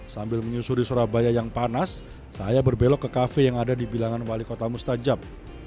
sambil menyusuri surabaya yang panas saya berbelok ke kafe yang ada di bilangan wali kota mustajab